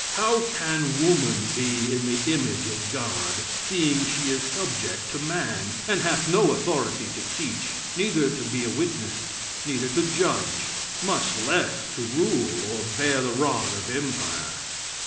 How can woman be in the image of God, seeing she is subject to man, and hath no authority to teach, neither to be a witness, neither to judge, much less to rule or bear the rod of empire."